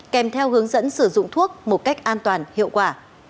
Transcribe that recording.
kèm theo hướng dẫn sử dụng thuốc một cách an toàn hiệu quả